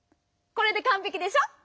これでかんぺきでしょ？